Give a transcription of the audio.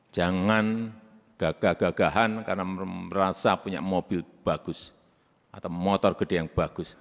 jangan gagah gagahan karena merasa punya mobil bagus atau motor gede yang bagus